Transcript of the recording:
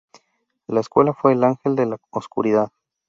La secuela fue "El ángel de la oscuridad".